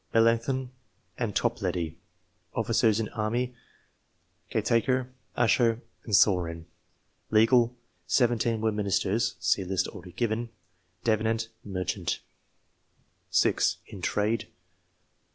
Melancthon and Toplady, officers in army ; Gataker, Usher, and Saurin, legal ; seventeen were ministers (see list already given) ; Davenant, merchant. 6. In Trade.